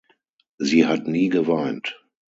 Sie hat nie geweint.